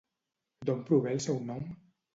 D'on prové el seu nom?